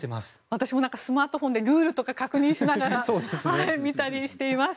私もスマートフォンでルールとか確認しながら見たりしています。